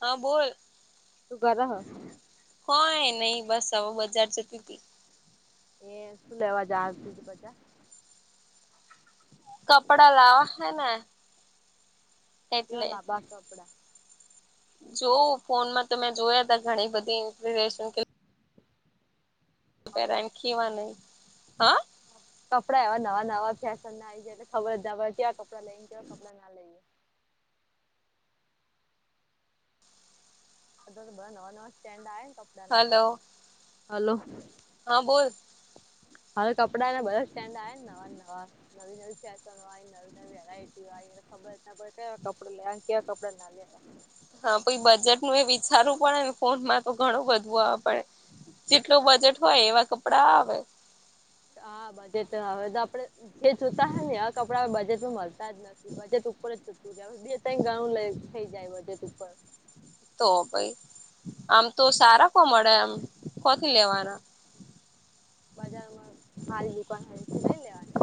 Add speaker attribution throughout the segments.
Speaker 1: હા બોલ
Speaker 2: શું કર હ
Speaker 1: કોય નહી બસ હવે બજાર જતી હતી
Speaker 2: એ શું લેવા જાવ તું બધા
Speaker 1: કપડા લાવવા હે ને
Speaker 2: કેવા
Speaker 1: એટલે
Speaker 2: લાંબા કપડા
Speaker 1: જો ફોનમાં તો મેં જોયા ત ઘણી બધી ઇન્સ્પિરેશન
Speaker 2: હવે
Speaker 1: પરામ ખીવા નહી હા
Speaker 2: કપડા એવા નવા નવા ફેશન ના આવી જાય એટલે ખબર જ ના પડે કે્યાં કપડા લઈએને કેવા કપડા ના લઈએ ને ન સ્ટેન્ કપડા પા
Speaker 1: હલો
Speaker 2: હલો
Speaker 1: હા બોલ
Speaker 2: હવે કપડા બ સ્ટન્ ખબર જ ના પડે કે કપડો લેવા કેવા કપડા ના લેવા
Speaker 1: હા પઈ બજેટ નું એ વિચારવું પડેને ફોનમાં તો ઘણું બધું આવે પડે જેટલું બજેટ હોય એવા કપડાં આવે
Speaker 2: હા બજેટ હવે તો આપડે જે જોતા હ ને આ કપડાં બજેટમાં મળતા જ નથી. બજેટ ઉપર જતું બે ત ગણું લ થઈ જાય બજેટ ઉપર
Speaker 1: તો ભાઈ આમ તો સારા કો મળે આમ કોથી લેવાના
Speaker 2: બજાર માં સારી દુકાન હોય તે લઈ લેવાના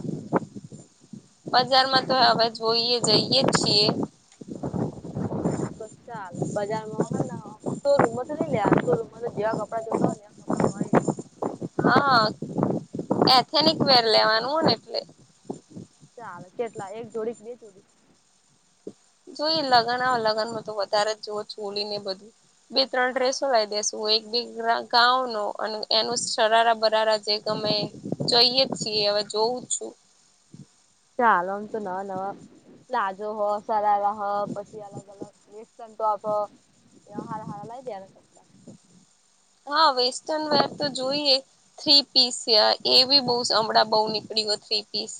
Speaker 1: બજાર માં તો હવે જોઈએ જઈએ છીએ.
Speaker 2: બસ ચાલ બજારમાં હો હ તો રૂમમાંથી નઈ લે તો રૂમમાં તો જેવા કપડા જોતા હોય ને એવા કપડા મળી.
Speaker 1: હા એથેનિક વર લેવાનું હો ને એટલે
Speaker 2: ચાલ કેટલા એક જોડી કે બે જોડી
Speaker 1: જોઈ લગ્ન આવે લગ્નમાં તો વધારે જ જોવ છ ઓલી ને બધું બે ત્રણ
Speaker 2: હા
Speaker 1: ડ્રેસો લાવ દેસ તું એક બે ગાં નો અને એનું સરારા બરાારા જે ગમે જોઈએ જ છીએ હવે જોવું છું.
Speaker 2: ચાલવામ તો નવા નવા પ્લાઝો હ સરારા હ પછી અલગ અલગ તો આપ વ્યવહાર હારા લઈ દેનું કપડા
Speaker 1: હા વેસ્ટર્ન વેર તો જોઈએ. થ્રી પીસ છે એ બી બઉ હણાં બઉુ નીકળી હો થ્રી પીસ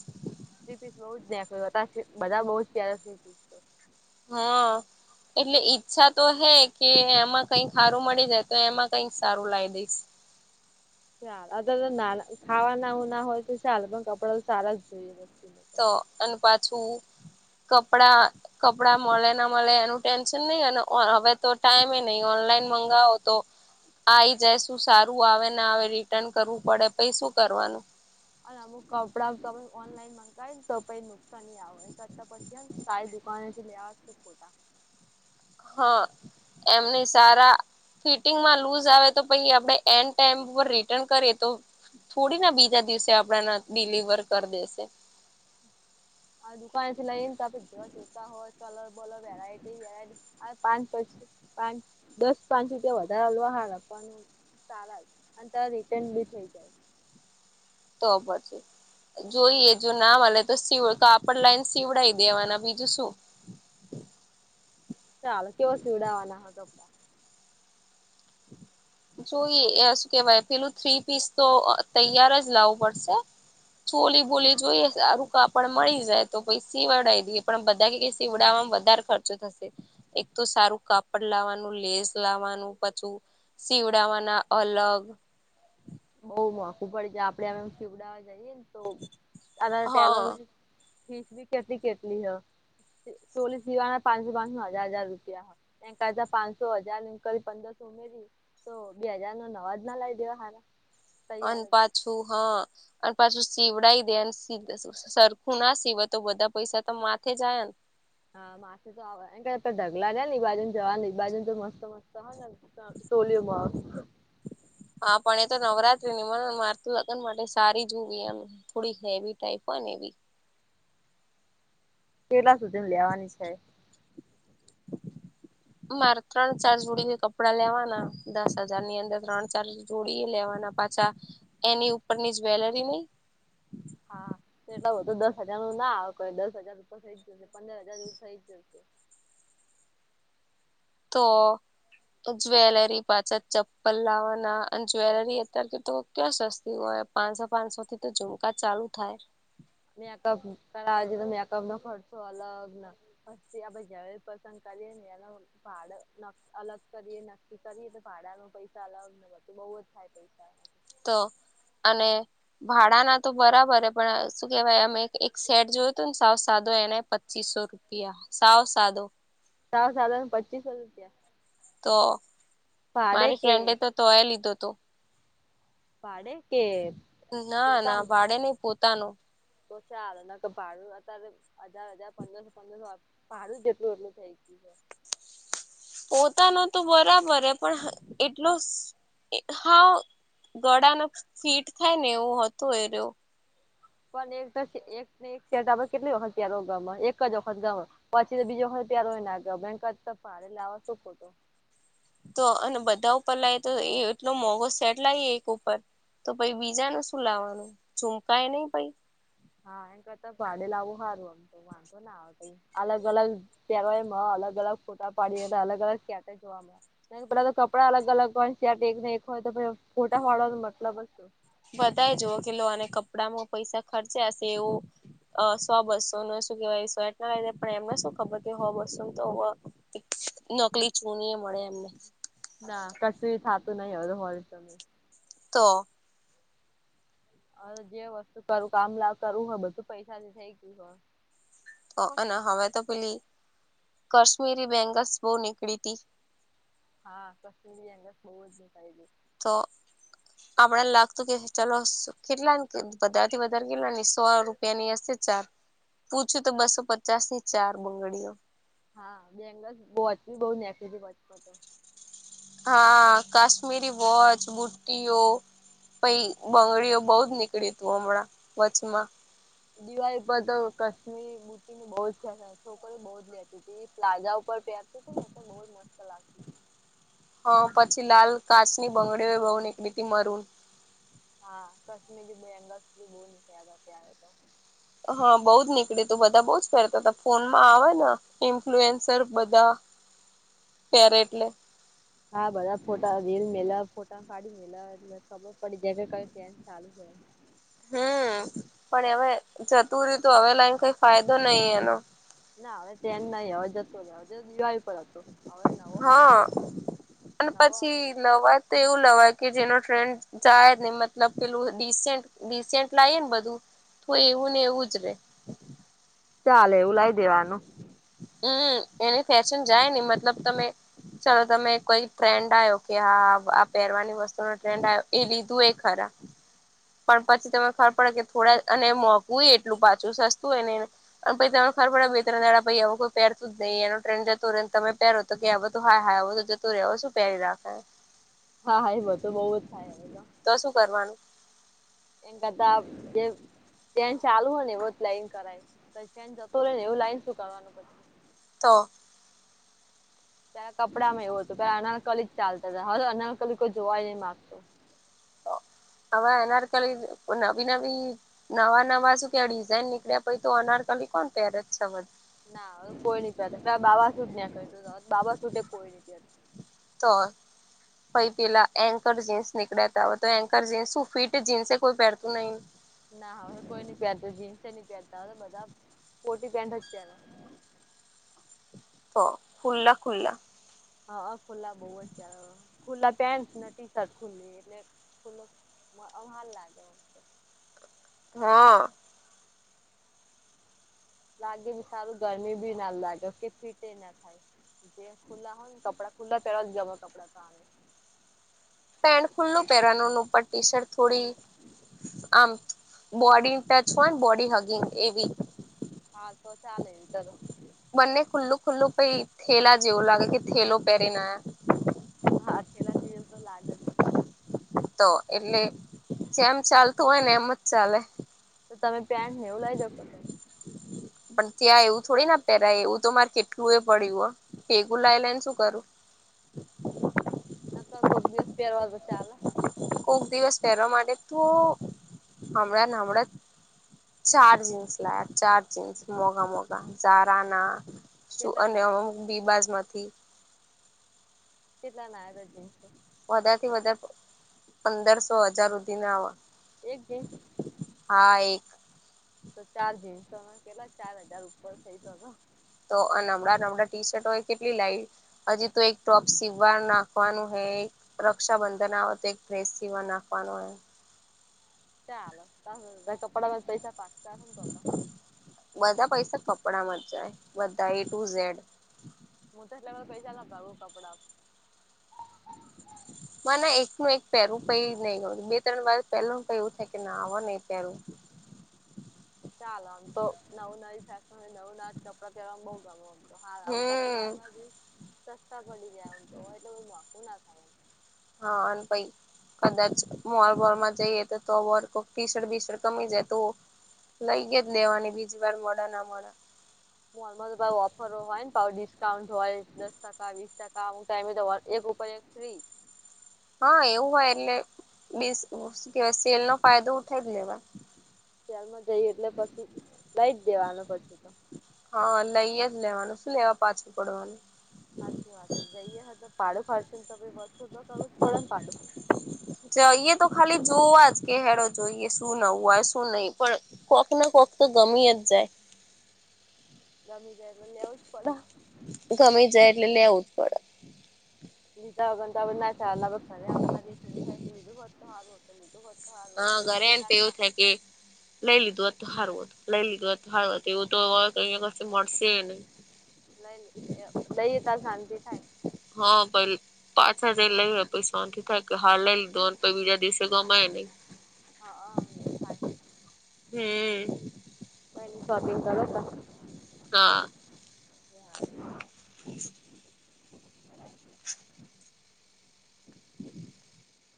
Speaker 2: સ્્રીપીસ બહુ જ નનેખ્યું હતા બધા બહુ જ પ સ્્રીપીસ
Speaker 1: હા એટલે ઈચ્છા તો હે કે એમાં કઈ સારું મળી જાય તો એમાં કઈક સારું લાવી દઈશ.
Speaker 2: ચાલ અ ત તો ના ખાવાના ઉું ના હોય તો ચાલ પણ કપડાં તો સારા જ જોઈએ વસ્તીમાં.
Speaker 1: તો અને પાછું કપડા કપડા મળે ના મળે એનું ટેન્શન નહી અને હવે તો ટાઈમે નહીિ ઓનલાઈન મંગાવો તો આવી જાય શું સારું આવે ને આવે રિટર્ન કરવું પડે પછ શું કરવાનું.
Speaker 2: અને અમુક કપડા તમે ઓનલાઈન મગાવયને તો પણ સની આવ કરતા પછીને સાઈ દુકાાનથી લત કે ખોટા
Speaker 1: હા એમની સારા ફિટિંગમાં લુઝ આવે તો પછ આપણે એન્ડ ટાઈમ રિટર્ન કરીએ તો થોડી ના બીજા દિવસે આપડાને ડડીલિવર કરી દેશે.
Speaker 2: આ દુકાન થી લઈ ને તો આપડે જ જોતા હોય કલર બોલર વેરાયટી પાંચ પી પાંચ દસ પાંચ રૂપિયા વધારે લોહાાર આપવાનું. સારા જ અને ત રિટર્ન બી થઇ જાય.
Speaker 1: તો પ છે. જોઈએ જો ના મળે તો કાપડ લાઈને સીવડઈ દેવાના બીજું શું.
Speaker 2: ચાલો કેવો સીવડાવવાના હો કપડાં
Speaker 1: જોઈએ એ શું કેવાય પેલું થ્રી પીસ તો તૈયાર જ લાવું પડશે. ચોલી બોલી જોઈએ આ રુંકા પણ મળી જાય તો પછ સવાડાવ દઈએ પણ બધા પીવડામાં વધારે ખર્ચો થશે. એક તો સારું કપડ લાવવાનું લેઝ લાવવાનું પછું. સીવડાવાના અલગ
Speaker 2: બહ મોકું પડે છે આપડે આમમીવડાાવવા જઈએ ને
Speaker 1: હા
Speaker 2: તોટે ફીસ ભી કેટલી કેટલી હ ચોલીસીવાના પાંચસો પાંચસ નો હજાર હજાર રૂપિયા એકાતા પાંચસો હજાર ક પંદરસો ઉમેરી તો બે હાજાર નો નવાજ ના લઈ દેવા સારા
Speaker 1: અને પાછું હા અને પાછું સીવડી દે અને સીધ. સરખું ના સિવાય તો બધા પૈસા તો માથે આયા
Speaker 2: હા માથે તો આવેમે ઢગલા ને નેઈ બાજુને જવા ને ઈ બાજુ તો મસ્ત મસ્ત હોય ને તોલ્યમાં
Speaker 1: હા પણ એ તો નવરાત્રી ની મને મારતું લગ્ન માટે સારી જોવી એમ થોડી હેવી ટાઈઇપ હો ને એવી
Speaker 2: કેેલા સુધી લેવાની છે. [inaudible]
Speaker 1: મારે ત્રણ ચાર જોડીને કપડાં લેવાના દસ હજાર ની અંદર ત્રણ ચારજ જોડીએ લેવાના પાછા એની ઉપરની જ્વેલરી નહી.
Speaker 2: હા તોટલા બધ તો દસ હજાર નું ના આવે દસ હજાર રૂપર થઈ જશે પંદર હજાર એવું થઇ જશે.
Speaker 1: તો જ્વેલરી પાછા ચપ્પલ લાવવાના અને જ્વેલરી અત્યારે કે તો ક્યાં સસ્તી હોય પાંચસો પાંચસો થી તો ઝુમકા ચાલુ થાય.
Speaker 2: મેકઅપ કર છે તો મેકઅપ નો ખર્ચો અલગ ને પછી આ જ પસંદ કરીએ ને એ ભાડ અલગ કરીએ નક્કી કરીએ તો ભાડા ન પૈસા અલગ નથી. તું બઉુ જ થાય પૈસા
Speaker 1: તો અને અને ભાડા ના તો બરાબર હ પણ શું કેહેવાય અમે એક સેટ જોયું હતું ને સાવ સાદો એને પચીસો રૂપ પ સાવ સાદો
Speaker 2: સા સાધાર પચીસો રૂપિયા
Speaker 1: તો
Speaker 2: ભાડે
Speaker 1: મારી
Speaker 2: કે
Speaker 1: ફ્રેન્ડે તો તોય લીધો હતોું
Speaker 2: પાડે કે
Speaker 1: ના ના
Speaker 2: પોતાનું
Speaker 1: ભાડે નઈ પોતાનું
Speaker 2: તો ચાલ કે ભાડું અત્યારે હજાર હજાર પંદરસો પંદરસો પાાડું જ જેટલું એટલું થઈ ગયું છે.
Speaker 1: પોતાનો તો બરાબર હ પણ એટલો હા ગળા ન ફીટ થાય ને એવું હતું એ રહવ
Speaker 2: પણ એક એકને એક સેટ આપણે કેટલી વખત ત્યાર ગમે એક જ વખત ગમે પછી તો બીજી વખત પેરવો નાગમે એના કરતા ભાડે લાવે શુ ખોટો
Speaker 1: તો અને બધા ઉપર લાવ તો એ એટલો મોંઘો સેટ લાવએ એક ઉપર તો પછ બીજા ન શું લાવવાનું ચમકાય નહી પ
Speaker 2: હા એ કરતા ભાડે લાવવું સારું એમ તો વાંધો અલગ અલગ તહેવા અલગ અલગ ફોટા પાડી અલગ અલગ ક્યાંટે જોવા મળે. ના પેલા તો કપડા અલગ અલગ હોય ચ એક ને એક હોય તો પછ ફોટા પાડવાનો મતલબ શું
Speaker 1: બધાય જો કે લો આને કપડામાં પૈસા ખર્ચ્યા હશે એઓ સો બસો ને શું કેવાય એટલા લ એમને શું ખબર કે હો બસોમ તો નકલી ચૂની એ મળે એમને,
Speaker 2: ના કસું થાતું નહી હવે તો હો રૂપિયા મયે.
Speaker 1: તો
Speaker 2: હવે જે વસ્તુ કરું કામ લા કરવું હોય બધું પૈસા થી થઈ ગયું હ.
Speaker 1: હ અને હવે તો પેલી કાશ્મીરી બેંગલ્સ બવ નીકળી હતી.
Speaker 2: હા કશ્મિરી બેંગ્લસ બહુ નિકરેલી [unintelligible]
Speaker 1: તો આપડેને લાગતું કે ચલો કેટલા ને વધારે થી વધારે કેટલા ને સો રૂ પિયાની હશે ચાર પૂછ્યું તો બસો પચાસ ની ચાર બંગડીઓ
Speaker 2: હા બેંગસ વોચ બી બવ નેકળી તી વર્ચમાં તો.
Speaker 1: હા કાશ્મીરી વોચ બુટ્ટીઓ પઈ બંગડીઓ બઉ જ નીકળીયુ તું હમણાં વચમાં
Speaker 2: દિવાળી પર તો કશ્મીરી બૂટી બહુ જ છે ને છોકરીઓ બહુ જ લેતી હતી પ્લાઝા ઉપર પેરતીતિ ને એટેલ તો બહુ જ મસ્ત લાગતી. હતી.
Speaker 1: હ પછી લાલ કાચની બંગડીઓ બહુ નીકળી તી મરુંન.
Speaker 2: હા કશ્મીરી બેંગલ્સ બી બહુ નિકળ્યા તા ત્યારે તો
Speaker 1: હા બઉુ જ નીકળીયું તું બધા બઉ જ પેરતા હતા ફોન માં આવે ન ઇન્ફ્લુએન્સર બધા પેરે એટલે
Speaker 2: હા બધા ફોટા રીલ મેલા ફોટા પાડી મેલા એટલે ખબર પડી જાય કે કયુ ટ્રેન્ડ ચાલુ છ.
Speaker 1: હમ્મ પણ હવે જતુંરિયુ તો હવે એને કઈ ફાયદો નઈ એનો.
Speaker 2: ના હવે ટ્રેન્ડ નહી હવે જતો રયો દિવાળી પર હવે નવો
Speaker 1: હા
Speaker 2: આવશે
Speaker 1: પણ
Speaker 2: નવો આવશે.
Speaker 1: પછી લવાય તો એવું લવાય કે જેનો ટ્રેન્ડ જાય નઈ મતલબ પેલું રિસેન્ટ રિસેન્ટ લાઈએ ને બધું તો એવું ને એવું જ રે.
Speaker 2: ચાલે એવું લાઈ દેવાનું.
Speaker 1: હમ્મ એની ફેશન જાય ને મતલબ તમે ચાલો તમે કોઈ ટ્રેન્ડ આવ્યો કે હા આ પહેરવાની વસ્તુ નો ટ્રેન્ડ આવ્યો એ લીધું એ ખરા
Speaker 2: [inaudible]
Speaker 1: પણ પછી તને ખબર પડે કે થોડા અને મોંઘું એટલું પાછું સસ્તુંએ નઈ. અને પઈ તને ખબર પડે બે ત્રણ દાડા પઈ હવ કોક પહેરતું જ નહીં એનો ટ્રેન જતો રહ્યો તમે પહેરો તો કે આવ તો હાય હાય હવ તો જતો રહ્યો હવ શું પહેરી રાખ.
Speaker 2: હા હા એ બધૂ તો બઉ જ થાય. હવે
Speaker 1: તો શું કરવાનું?
Speaker 2: એને કરતા જેન ચાલુ હોય ને એવ જ લાઇન કરાય. પછીને ચેન જતો રહે ને. એવું લાઈન શું કરવાવાનું પછી.
Speaker 1: તો!
Speaker 2: પેલા કપડા માં એવું હતું કે અનારકલી જ ચાલતા હતા હવે અનારકલી કોઈ જોવાય નહી માગતું. [inaudible]
Speaker 1: હવે અનારકલી જ નવી નવી નવા નવા શું કેવાય ડિઝાઇન નીકળ્યા પઈ તો અનારકલી કોણ પેર જ છ
Speaker 2: ના હવે તો કોઈ નઈ પેર પેલા બાબા સૂટ નેકળિયું તું હવે તો બાબા સૂટે કોઈ નઈ પેર
Speaker 1: તો હ પઈ પેલા એન્કર જીન્સ નીકળ્યાતા હોય તો એન્કર જીન્સ શું ફિટ જીન્સે કોઈ પહેરતું નહી.
Speaker 2: ના હા કોઈ નઈ પેર તું જીન્સે નઈ પેરતા બધા પોટી પેન્ટ જ પેર.
Speaker 1: તો ખુલ્લા ખુલ્લા
Speaker 2: હ અ ખુલ્લા બઉ જ પેરહ ખુલ્લા પેન્ટને ટી શર્ટ ખુલ્લી એટલે બોલો હાર લાગે.
Speaker 1: હા.
Speaker 2: લાગે ભી સારું ગરમી બી ના લાગે કે ફીટ ફીટ એના થાય. જે ખુલ્લા હોય ને, કપડા ખુલ્લા પેલા જ ગમ કપડા તોને
Speaker 1: પેન્ટ ખુલ્લુ પહેરાવાનું ને ઉપર ટી-શર્ટ થોડી. આમ બોડી ટચ હો ને. બોડી હગિંગ એવી.
Speaker 2: હા તો ચાલે.
Speaker 1: બંને ખુલ્લું ખુલ્લું કઈ થેલા જેવું લાગે, કે થેલો પહેરીને આયા.
Speaker 2: હા થેલા જેવુ તો લાગ જ.
Speaker 1: તો એટલે જેમ ચાલતું હોય ને, એમ જ ચાલે.
Speaker 2: તો તમે પેન્ટનેવું લાવી દઇ તો તો.
Speaker 1: પણ ત્યાં એવું થોડી ના પહેરાય. એવું તો મારે કેટલું એ પડ્યું હ. ભેગું લાવી લાવીને શું કરું?
Speaker 2: નકર કોક દિવસ પેરવા દે તો ચાલે?
Speaker 1: કોક દિવસ પહેરવા માટે તો.. હમણા ને હમણાં જ ચાર જીન્સ લાયા. ચાર જીન્સ. મોગા મોગા જારા આ. શું,
Speaker 2: કેટલા
Speaker 1: અને
Speaker 2: ના આયા
Speaker 1: અમુક બીબાજ માંથી,
Speaker 2: કેટલા ના આયાતા જીન્સ તો?
Speaker 1: વધારે થી વધારે પંદરસો હજાર હુધીના આવ..
Speaker 2: એક જીન્સ
Speaker 1: હા એક.
Speaker 2: તો ચાર જીન્સોના કેલાલા? ચાર હજાર ઉપર થઇ તો ગયા.
Speaker 1: તો નબળા નબળા ટી શર્ટો એ કેટલી લાઈ? હજી તો એક ટોપ સીવા નાખવાનું હૈ. રક્ષાબંધન આવે તો એક ડ્રેસ સીવા નાખવાનો હે.
Speaker 2: ચાલ ઊંધા કપડામાં પૈસા પાાગતા તો.
Speaker 1: બધા પૈસા કપડામાં જ જાય બધા એ ટુઝેડ.
Speaker 2: હું તો એટલે પૈસા ના ભાગું કપડા.
Speaker 1: મને એક ન એક પહેરું કઈ નઈ ગમે. બે ત્રણ વાર પહેરુ કઈ એવું થાય કે ના આવ નઈ પહેરું.
Speaker 2: ચાલ આમ તો નવું નવી ફેશનય નવું નવા કપડા પહેરવામાં બઉુ ગમે. તો હા કપડા
Speaker 1: હમ
Speaker 2: લાબા બી સસ્તા પડી જાય એમ તો હોય એટલે મોકું ના થાય એમ.
Speaker 1: હા અને પહિ કદાચ મોલ વોલમાં જઈએ તો ટીસર્ટ બીસર્ટ કમી જાય તો લઈએે જ લેવાની બીજી વાર મળ ના મળ.
Speaker 2: મોલમાં તો ઓફરો હોય ને પાહુ ડિસ્કાઉન્ટ હોય. બાવીસ ટકા અમુક ટાઈમે તો એક ઉપર એક ફ્રી.
Speaker 1: હા એવું હોય એટલે બસ શું કેવાય, સેલ નો ફાયદો ઉઠાવી લેવાનો.
Speaker 2: ત્યાલમાં જઈ એટલે પછી લ [unintelligible] ઈટ દેવાનું પછી તો
Speaker 1: હા લઈએે જ લેવાનું શું લેવા પાછું પડવાનું
Speaker 2: હાચું વાત જઈએ તો પાડું ફાચ ને તો બસો [unintelligible] તો કરવું જ પડેને પાડું
Speaker 1: જઈએ તો ખાલી જોવા જ કે હેડો જોઈએ શું નવું હોય શું નહી. પણ કોક ને કોક તો ગમીય જ જાય.
Speaker 2: રમી જાય તો લેવું જ પડ.
Speaker 1: ગમી જાય એટલે લેવું જ પડે.
Speaker 2: લીધા વગર તો હવે ના ચાલે હવે ઘરે આપવા કે લીધું હોત હોત તો હારું
Speaker 1: હા
Speaker 2: હતું
Speaker 1: ઘરે
Speaker 2: લઈએ
Speaker 1: એમ ત
Speaker 2: તાર
Speaker 1: એવું થાય કે, લઈ લીધું હોત, તો હારું હોત. લઈ લીધું હોત તો હારું હોત. એવું તો અહીં કશે મળશે.
Speaker 2: લઈ લઈએ તારે શાંતિ થાય.
Speaker 1: હા ખરું જ પાછા જઈને લઈએ તો શાંતિ થાય કે, હા લઇ લીધું હોત બીજા દિવસે ગામ હોય ની.
Speaker 2: હા હ એવ થાય.
Speaker 1: હમ
Speaker 2: શોપિંગ કરો તો.
Speaker 1: હા
Speaker 2: [inaudible]